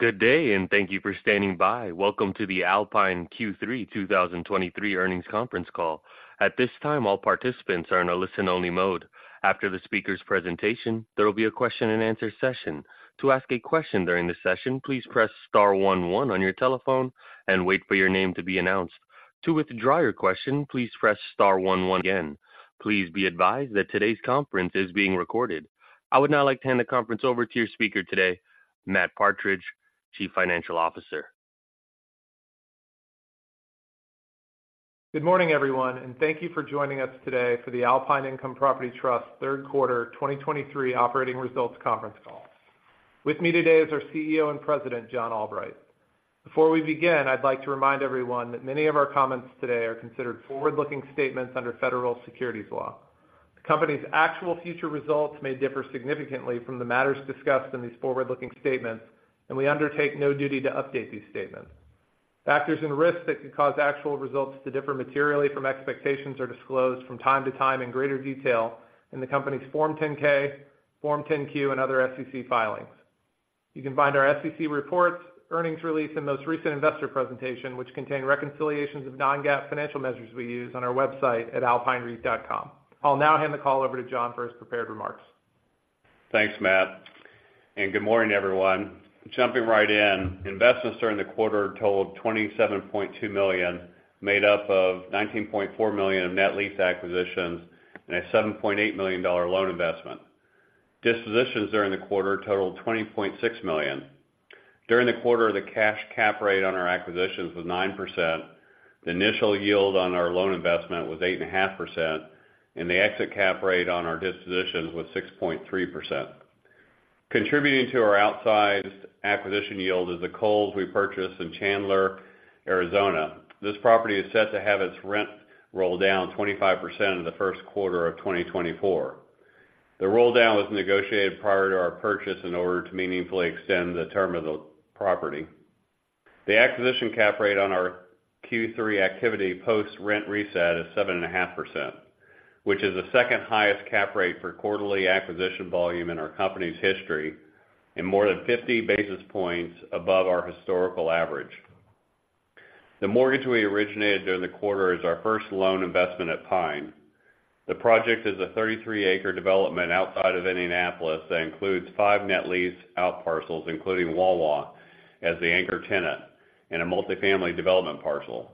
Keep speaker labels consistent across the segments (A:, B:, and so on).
A: Good day, and thank you for standing by. Welcome to the Alpine Q3 2023 Earnings Conference Call. At this time, all participants are in a listen-only mode. After the speaker's presentation, there will be a question-and-answer session. To ask a question during the session, please press star one one on your telephone and wait for your name to be announced. To withdraw your question, please press star one-one again. Please be advised that today's conference is being recorded. I would now like to hand the conference over to your speaker today, Matt Partridge, Chief Financial Officer.
B: Good morning, everyone, and thank you for joining us today for the Alpine Income Property Trust Q3 2023 operating results conference call. With me today is our CEO and President, John Albright. Before we begin, I'd like to remind everyone that many of our comments today are considered forward-looking statements under federal securities law. The company's actual future results may differ significantly from the matters discussed in these forward-looking statements, and we undertake no duty to update these statements. Factors and risks that could cause actual results to differ materially from expectations are disclosed from time to time in greater detail in the company's Form 10-K, Form 10-Q, and other SEC filings. You can find our SEC reports, earnings release, and most recent investor presentation, which contain reconciliations of non-GAAP financial measures we use on our website at alpinereit.com. I'll now hand the call over to John for his prepared remarks.
C: Thanks, Matt, and good morning, everyone. Jumping right in, investments during the quarter totaled $27.2 million, made up of $19.4 million of net lease acquisitions and a $7.8 million loan investment. Dispositions during the quarter totaled $20.6 million. During the quarter, the cash cap rate on our acquisitions was 9%, the initial yield on our loan investment was 8.5%, and the exit cap rate on our dispositions was 6.3%. Contributing to our outsized acquisition yield is the Kohl's we purchased in Chandler, Arizona. This property is set to have its rent rolled down 25% in the Q1 of 2024. The rolldown was negotiated prior to our purchase in order to meaningfully extend the term of the property. The acquisition cap rate on our Q3 activity post-rent reset is 7.5%, which is the second highest cap rate for quarterly acquisition volume in our company's history and more than 50 basis points above our historical average. The mortgage we originated during the quarter is our first loan investment at Alpine. The project is a 33-acre development outside of Indianapolis that includes five net-leased parcels, including Wawa, as the anchor tenant and a multifamily development parcel.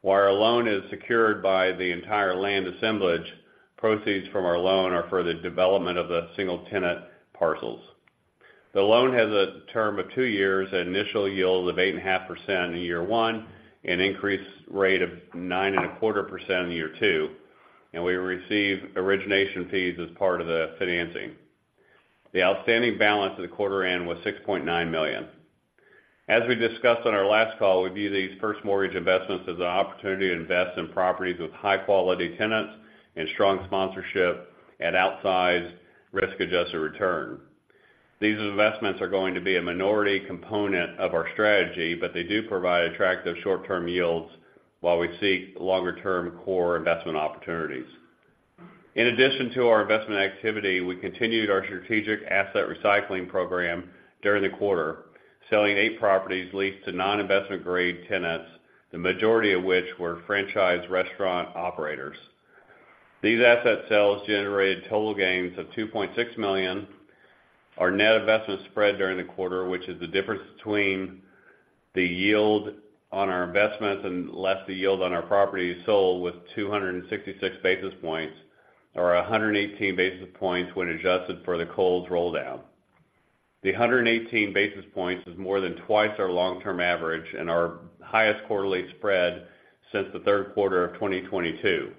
C: While our loan is secured by the entire land assemblage, proceeds from our loan are for the development of the single tenant parcels. The loan has a term of two years, an initial yield of 8.5% in year one, an increased rate of 9.25% in year two, and we receive origination fees as part of the financing. The outstanding balance at the quarter end was $6.9 million. As we discussed on our last call, we view these first mortgage investments as an opportunity to invest in properties with high-quality tenants and strong sponsorship at an outsized risk-adjusted return. These investments are going to be a minority component of our strategy, but they do provide attractive short-term yields while we seek longer-term core investment opportunities. In addition to our investment activity, we continued our strategic asset recycling program during the quarter, selling eight properties leased to non-investment-grade tenants, the majority of which were franchise restaurant operators. These asset sales generated total gains of $2.6 million. Our net investment spread during the quarter, which is the difference between the yield on our investments and the yield on our sold properties, was 266 basis points, or 118 basis points when adjusted for the Kohl's rolldown. The 118 basis points is more than twice our long-term average and our highest quarterly spread since the Q3 of 2022.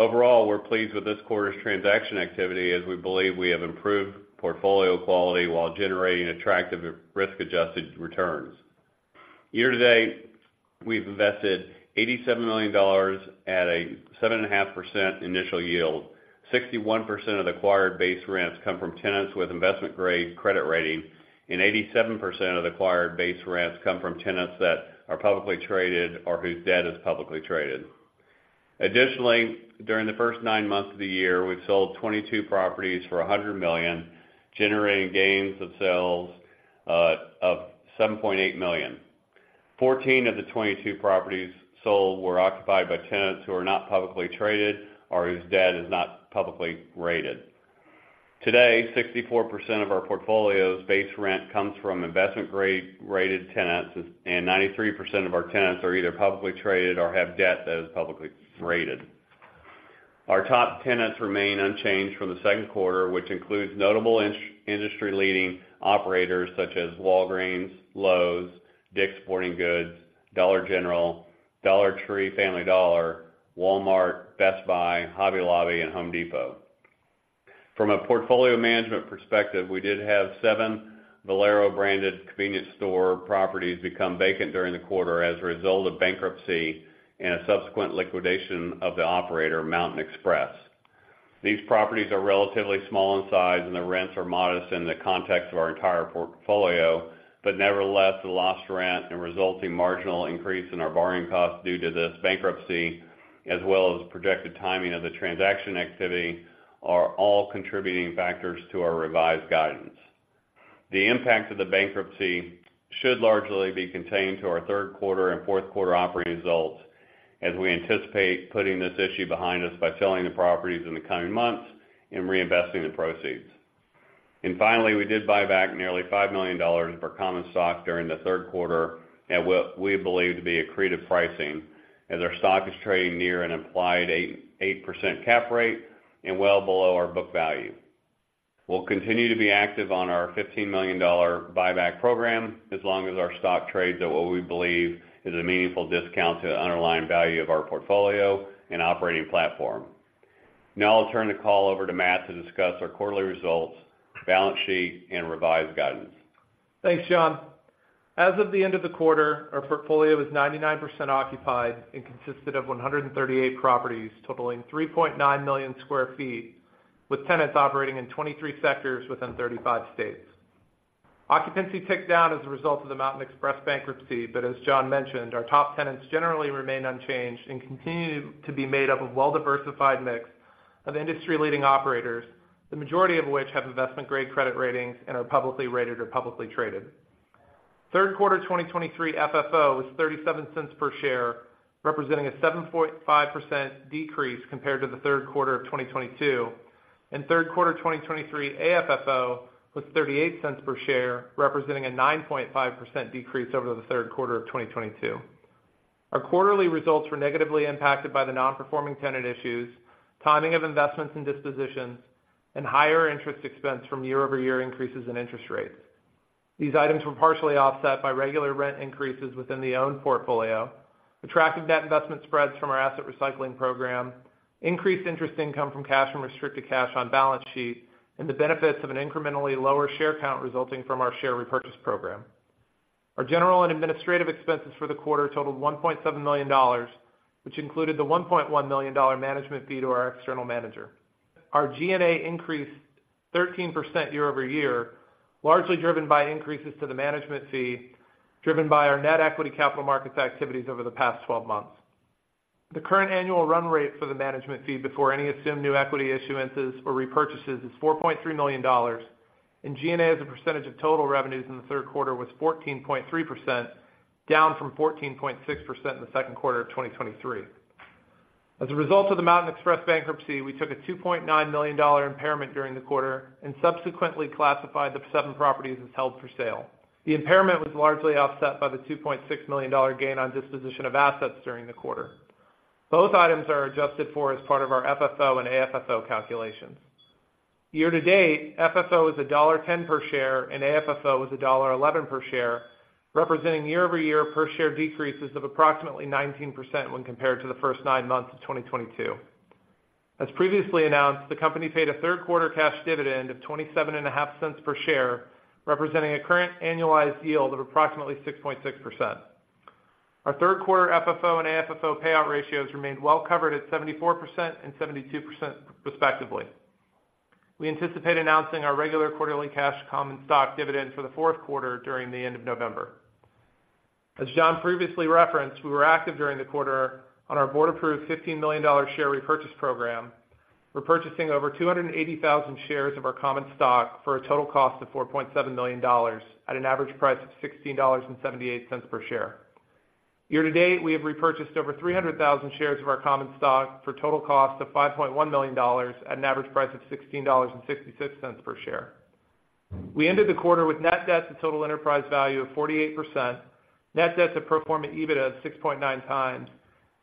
C: Overall, we're pleased with this quarter's transaction activity as we believe we have improved portfolio quality while generating attractive risk-adjusted returns. Year to date, we've invested $87 million at a 7.5% initial yield. 61% of the acquired base rents come from tenants with investment-grade credit ratings, and 87% of the acquired base rents come from tenants that are publicly traded or whose debt is publicly traded. Additionally, during the first nine months of the year, we've sold 22 properties for $100 million, generating gains on sales of $7.8 million. 14 of the 22 properties sold were occupied by tenants who are not publicly traded or whose debt is not publicly rated. Today, 64% of our portfolio's base rent comes from investment-grade rated tenants, and 93% of our tenants are either publicly traded or have debt that is publicly rated. Our top tenants remain unchanged from the Q2, which includes notable industry-leading operators such as Walgreens, Lowe's, Dollar General, Dollar Tree, Family Dollar, Walmart, Best Buy, Hobby Lobby, and Home Depot. From a portfolio management perspective, we did have seven Valero-branded convenience store properties become vacant during the quarter as a result of bankruptcy and a subsequent liquidation of the operator, Mountain Express. These properties are relatively small in size, and the rents are modest in the context of our entire portfolio, but nevertheless, the lost rent and resulting marginal increase in our borrowing costs due to this bankruptcy, as well as projected timing of the transaction activity, are all contributing factors to our revised guidance. The impact of the bankruptcy should largely be contained to our Q3 and Q4 operating results, as we anticipate putting this issue behind us by selling the properties in the coming months and reinvesting the proceeds. Finally, we did buy back nearly $5 million of common stock during the Q3 at what we believe to be accretive pricing, as our stock is trading near an implied 8% cap rate and well below our book value. We'll continue to be active on our $15 million buyback program, as long as our stock trades at what we believe is a meaningful discount to the underlying value of our portfolio and operating platform. Now I'll turn the call over to Matt to discuss our quarterly results, balance sheet, and revised guidance.
B: Thanks, John. As of the end of the quarter, our portfolio was 99% occupied and consisted of 138 properties, totaling 3.9 million sq ft, with tenants operating in 23 sectors within 35 states. Occupancy ticked down as a result of the Mountain Express bankruptcy, but as John mentioned, our top tenants generally remain unchanged and continue to be made up of a well-diversified mix of industry-leading operators, the majority of which have investment-grade credit ratings and are publicly rated or publicly traded. Q3 2023 FFO was $0.37 per share, representing a 7.5% decrease compared to the Q3 of 2022, and Q3 2023 AFFO was $0.38 per share, representing a 9.5% decrease over the Q3 of 2022. Our quarterly results were negatively impacted by the non-performing tenant issues, timing of investments and dispositions, and higher interest expense from year-over-year increases in interest rates. These items were partially offset by regular rent increases within the owned portfolio, attractive debt investment spreads from our asset recycling program, increased interest income from cash and restricted cash on balance sheet, and the benefits of an incrementally lower share count resulting from our share repurchase program. Our general and administrative expenses for the quarter totaled $1.7 million, which included the $1.1 million management fee to our external manager. Our G&A increased 13% year-over-year, largely driven by increases to the management fee, driven by our net equity capital markets activities over the past 12 months. The current annual run rate for the management fee, before any assumed new equity issuances or repurchases, is $4.3 million, and G&A, as a percentage of total revenues in the Q3, was 14.3%, down from 14.6% in the Q2 of 2023. As a result of the Mountain Express bankruptcy, we took a $2.9 million impairment during the quarter and subsequently classified the seven properties as held for sale. The impairment was largely offset by the $2.6 million gain on disposition of assets during the quarter. Both items are adjusted for as part of our FFO and AFFO calculations. Year-to-date, FFO is $1.10 per share, and AFFO is $1.11 per share, representing year-over-year per share decreases of approximately 19% when compared to the first nine months of 2022. As previously announced, the company paid a Q3 cash dividend of $0.275 per share, representing a current annualized yield of approximately 6.6%. Our Q3 FFO and AFFO payout ratios remained well covered at 74% and 72%, respectively. We anticipate announcing our regular quarterly cash common stock dividend for the Q4 during the end of November. As John previously referenced, we were active during the quarter on our board-approved fifteen-million-dollar share repurchase program, repurchasing over 280,000 shares of our common stock for a total cost of $4.7 million at an average price of $16.78 per share. Year to date, we have repurchased over 300,000 shares of our common stock for total cost of $5.1 million at an average price of $16.66 per share. We ended the quarter with net debt to total enterprise value of 48%, net debt to pro forma EBITDA of 6.9x,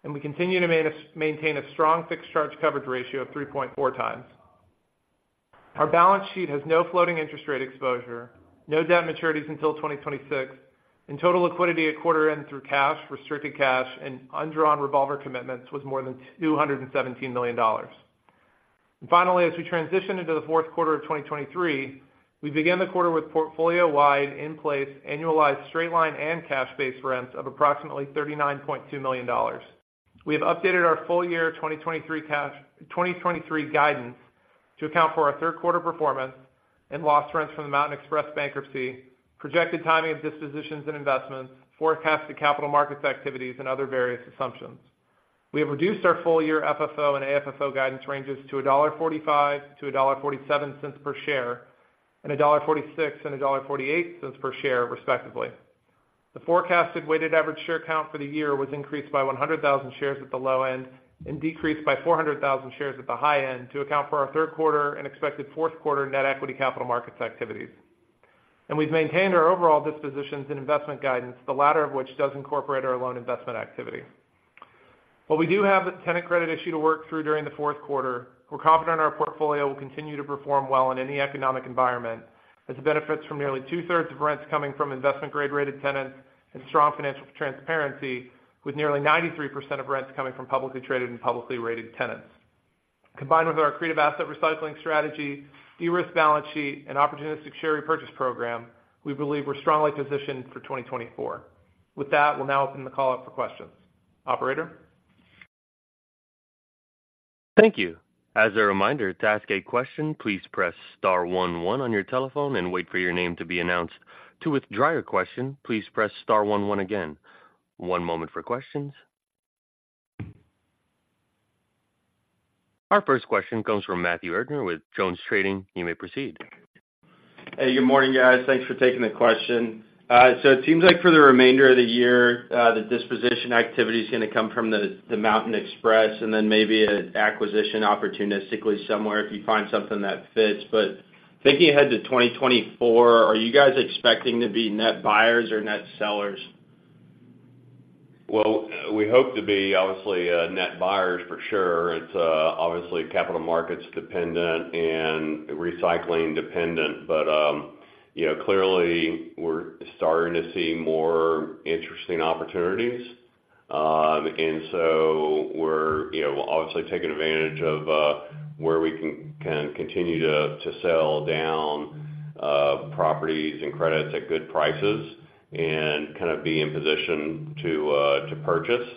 B: and we continue to maintain a strong fixed charge coverage ratio of 3.4x. Our balance sheet has no floating interest rate exposure, no debt maturities until 2026, and total liquidity at quarter end through cash, restricted cash, and undrawn revolver commitments was more than $217 million. Finally, as we transition into the Q4 of 2023, we begin the quarter with portfolio-wide, in-place, annualized straight-line and cash-based rents of approximately $39.2 million. We have updated our full-year 2023 guidance to account for our Q3 performance and lost rents from the Mountain Express bankruptcy, projected timing of dispositions and investments, forecasted capital markets activities, and other various assumptions. We have reduced our full-year FFO and AFFO guidance ranges to $1.45-$1.47 per share, and $1.46 and $1.48 per share, respectively. The forecasted weighted average share count for the year was increased by 100,000 shares at the low end and decreased by 400,000 shares at the high end to account for our Q3 and expected Q4 net equity capital markets activities. We've maintained our overall dispositions and investment guidance, the latter of which does incorporate our loan investment activity. While we do have a tenant credit issue to work through during the Q4, we're confident our portfolio will continue to perform well in any economic environment, as the benefits from nearly two-thirds of rents coming from investment-grade rated tenants and strong financial transparency, with nearly 93% of rents coming from publicly traded and publicly rated tenants. Combined with our accretive asset recycling strategy, de-risked balance sheet, and opportunistic share repurchase program, we believe we're strongly positioned for 2024. With that, we'll now open the call for questions. Operator?
A: Thank you. As a reminder, to ask a question, please press star one, one on your telephone and wait for your name to be announced. To withdraw your question, please press star one, one again. One moment for questions. Our first question comes from Matthew Erdner with JonesTrading. You may proceed.
D: Hey, good morning, guys. Thanks for taking the question. It seems like for the remainder of the year, the disposition activity is going to come from the Mountain Express, and then maybe an acquisition opportunistically somewhere, if you find something that fits. Thinking ahead to 2024, are you guys expecting to be net buyers or net sellers?
C: Well, we hope to be, obviously, net buyers for sure. It's obviously capital markets dependent and recycling dependent, but, you know, clearly we're starting to see more interesting opportunities. We're, you know, obviously taking advantage of where we can continue to sell down properties and credits at good prices and kind of be in position to purchase.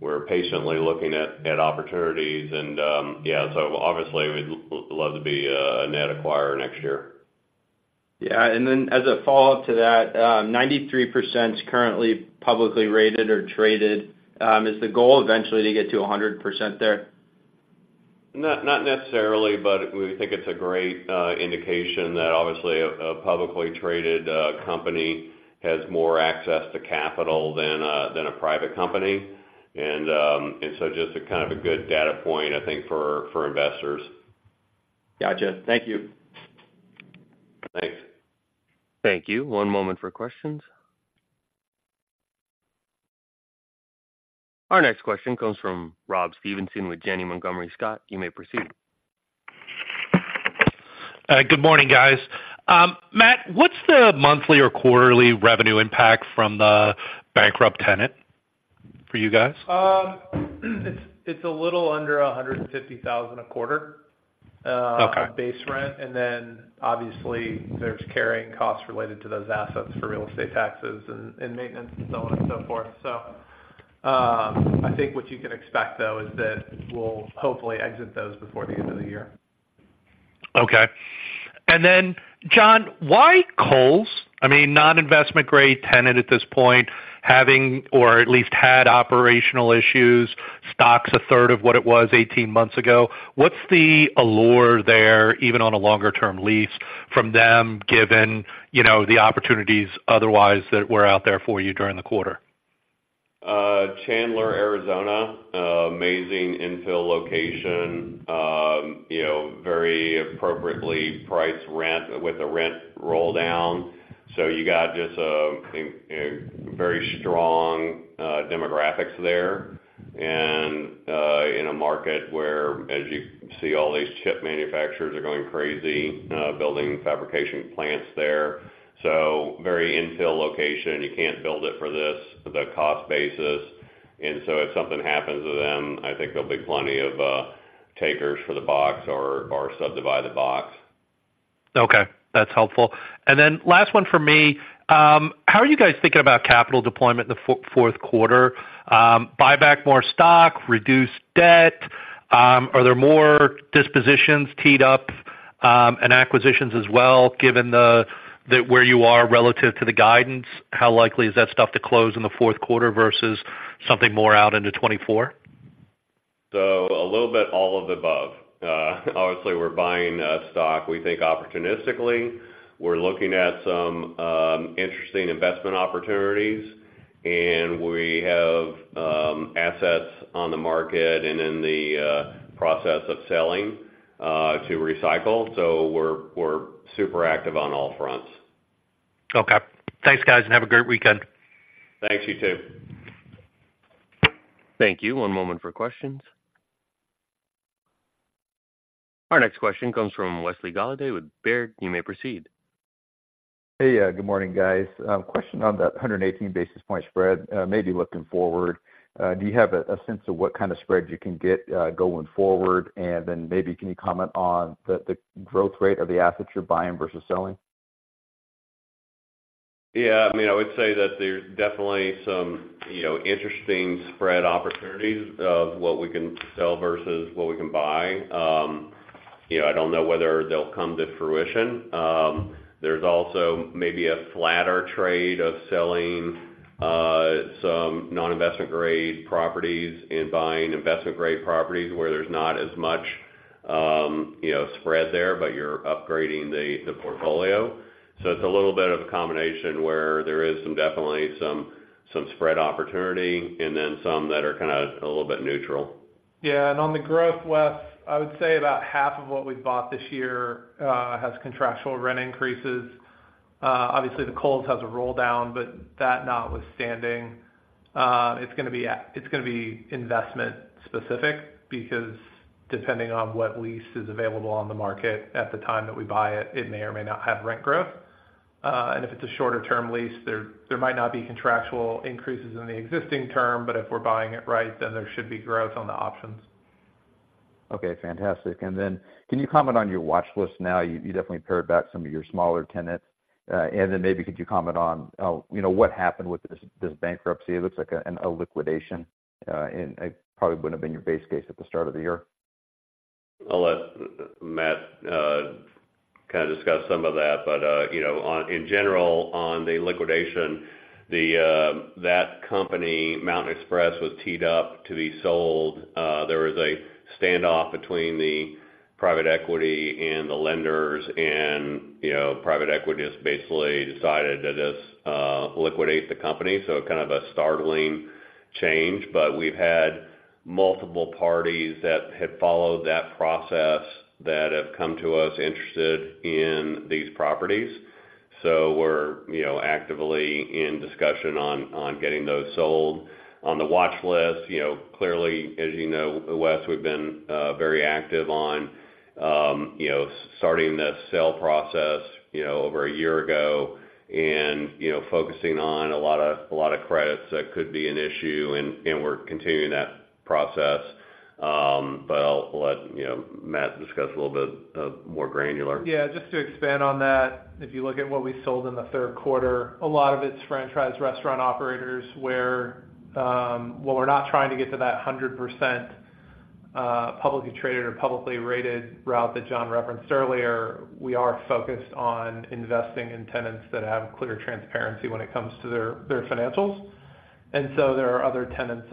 C: We're patiently looking at opportunities. So obviously, we'd love to be a net acquirer next year.
D: Then as a follow-up to that, 93% is currently publicly rated or traded. Is the goal eventually to get to 100% there?
C: Not necessarily, but we think it's a great indication that obviously a publicly traded company has more access to capital than a private company. So just a kind of a good data point, I think, for investors.
D: Got it. Thank you.
C: Thanks.
A: Thank you. One moment for questions. Our next question comes from Rob Stevenson with Janney Montgomery Scott. You may proceed.
E: Good morning, guys. Matt, what's the monthly or quarterly revenue impact from the bankrupt tenant for you guys?
B: It's a little under $150 thousand a quarter.
E: Okay.
B: Base rent, and then obviously, there's carrying costs related to those assets for real estate taxes and maintenance and so on and so forth. I think what you can expect, though, is that we'll hopefully exit those before the end of the year.
E: Okay. John, why Kohl's? I mean, non-investment-grade tenant at this point, having or at least had operational issues, stock's a third of what it was 18 months ago. What's the allure there, even on a longer-term lease from them, given, you know, the opportunities otherwise that were out there for you during the quarter?
C: Chandler, Arizona, amazing infill location, you know, very appropriately priced rent with a rent roll down. You’ve got very strong demographics there. In a market where, as you see, all these chip manufacturers are going crazy building fabrication plants there. Very infill location. You can’t build it at this cost basis.. If something happens to them, I think there'll be plenty of takers for the box or subdivide the box.
E: Okay, that's helpful. Last one for me. How are you guys thinking about capital deployment in the Q4? Buy back more stock, reduce debt, are there more dispositions teed up, and acquisitions as well? Given that where you are relative to the guidance, how likely is that stuff to close in the Q4 versus something more out into 2024?
C: A little bit all of the above. Obviously, we're buying stock. We think opportunistically, we're looking at some interesting investment opportunities, and we have assets on the market and in the process of selling to recycle. We're super active on all fronts.
E: Okay. Thanks, guys, and have a great weekend.
C: Thanks, you too.
A: Thank you. One moment for questions. Our next question comes from Wesley Golladay with Baird. You may proceed.
F: Hey, good morning, guys. Question on the 118 basis point spread, maybe looking forward. Do you have a sense of what kind of spreads you can get going forward? Maybe, can you comment on the growth rate of the assets you're buying versus selling?
C: I would say that there's definitely some, you know, interesting spread opportunities of what we can sell versus what we can buy. You know, I don't know whether they'll come to fruition. There's also maybe a flatter trade of selling some non-investment-grade properties and buying investment-grade properties where there's not as much, you know, spread there, but you're upgrading the portfolio. It's a little bit of a combination where there is definitely some spread opportunity and then some that are kind of a little bit neutral.
B: On the growth, Wes, I would say about half of what we've bought this year has contractual rent increases. Obviously, the Kohl's has a roll down, but that notwithstanding, it's gonna be investment specific, because depending on what lease is available on the market at the time that we buy it, it may or may not have rent growth. If it's a shorter-term lease, there might not be contractual increases in the existing term, but if we're buying it right, then there should be growth on the options.
F: Okay, fantastic. Can you comment on your watch list now? You definitely pared back some of your smaller tenants. Maybe could you comment on, you know, what happened with this bankruptcy? It looks like a liquidation, and it probably wouldn't have been your base case at the start of the year.
C: I'll let Matt kind of discuss some of that, but, you know, in general, on the liquidation, that company, Mountain Express, was teed up to be sold. There was a standoff between the private equity and the lenders, and, you know, private equity just basically decided to just liquidate the company. Kind of a startling change, but we've had multiple parties that have followed that process, that have come to us interested in these properties. We're, you know, actively in discussion on getting those sold. On the watch list, you know, clearly, as you know, Wes, we've been very active on, you know, starting the sale process, you know, over a year ago, and, you know, focusing on a lot of credits that could be an issue, and we're continuing that process. I'll let, Matt discuss this in a little more detail.
B: Just to expand on that, if you look at what we sold in the Q3, a lot of it's franchise restaurant operators, where, while we're not trying to get to that 100% publicly traded or publicly rated route that John referenced earlier, we are focused on investing in tenants that have clear transparency when it comes to their financials. There are other tenants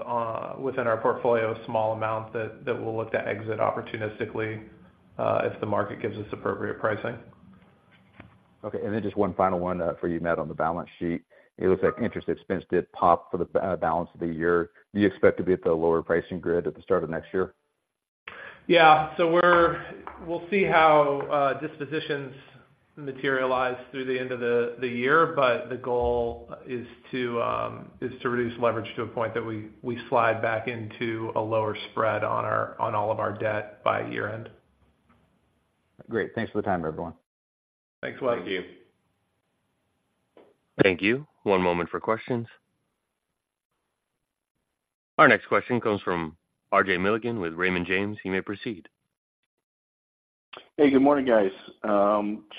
B: within our portfolio, small amounts, that we'll look to exit opportunistically if the market gives us appropriate pricing.
F: Okay, just one final one for you, Matt, on the balance sheet. It looks like interest expense did pop for the balance of the year. Do you expect to be at the lower pricing grid at the start of next year?
B: We'll see how dispositions materialize through the end of the year, but the goal is to reduce leverage to a point that we slide back into a lower spread on all of our debt by year-end.
F: Great. Thanks for the time, everyone.
C: Thanks, Wesley.
B: Thank you.
A: Thank you. One moment for questions. Our next question comes from R.J. Milligan with Raymond James. You may proceed.
G: Hey, good morning, guys.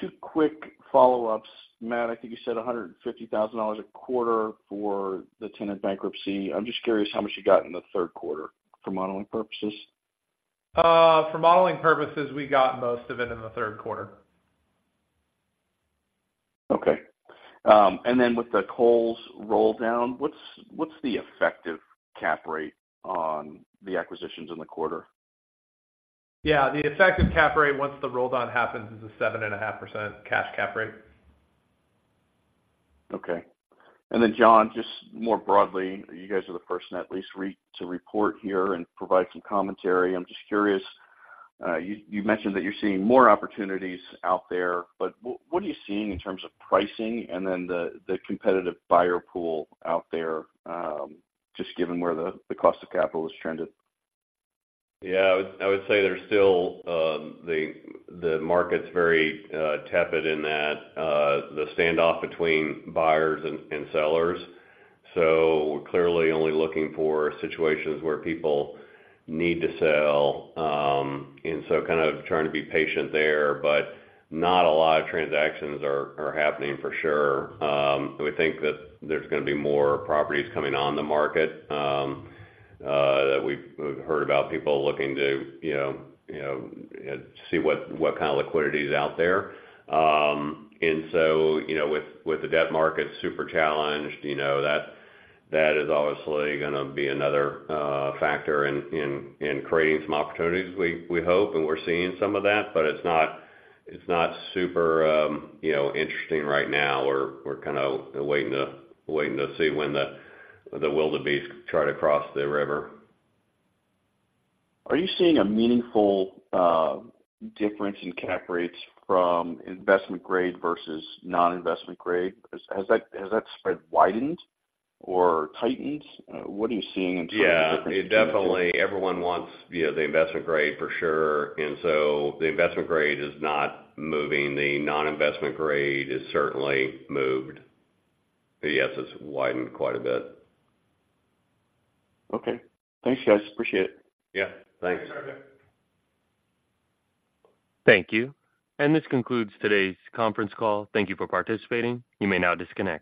G: Two quick follow-ups. Matt, I think you said $150,000 a quarter for the tenant bankruptcy. I'm just curious how much you got in the Q3 for modeling purposes.
B: For modeling purposes, we got most of it in the Q3.
G: Okay. With the Kohl's roll down, what's the effective cap rate on the acquisitions in the quarter?
B: The effective cap rate, once the roll down happens, is a 7.5% cash cap rate.
G: Okay. John, just more broadly, you guys are the first to at least report here and provide some commentary. I'm just curious, you mentioned that you're seeing more opportunities out there, but what are you seeing in terms of pricing and then the competitive buyer pool out there, just given where the cost of capital has trended?
C: I would say the market's very tepid in that the standoff between buyers and sellers. So we're clearly only looking for situations where people need to sell, and so kind of trying to be patient there, but not a lot of transactions are happening for sure. We think that there's gonna be more properties coming on the market. We've heard about people looking to, you know, see what kind of liquidity is out there. So, you know, with the debt market super challenged, you know, that is obviously gonna be another factor in creating some opportunities, we hope, and we're seeing some of that, but it's not super, you know, interesting right now. We're kind of waiting to see when the wildebeest try to cross the river.
G: Are you seeing a meaningful difference in cap rates from investment-grade versus non-investment-grade? Has that spread widened or tightened? What are you seeing in terms of-
C: It definitely Everyone wants, you know, the investment-grade for sure. So the investment-grade is not moving. The non-investment-grade has certainly moved. Yes, it's widened quite a bit.
G: Okay. Thanks, guys. Appreciate it. Thanks.
B: Thanks, RJ.
A: Thank you. This concludes today's conference call. Thank you for participating. You may now disconnect.